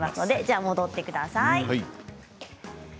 戻ってください。